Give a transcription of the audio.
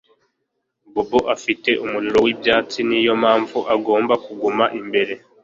Bobo afite umuriro wibyatsi Niyo mpamvu agomba kuguma imbere